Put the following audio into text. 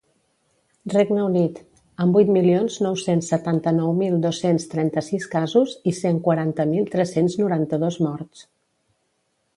Regne Unit, amb vuit milions nou-cents setanta-nou mil dos-cents trenta-sis casos i cent quaranta mil tres-cents noranta-dos morts.